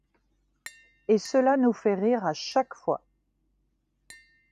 Et cela nous fait rire à chaque fois.